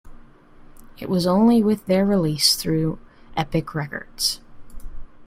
It was their only release through Epic Records.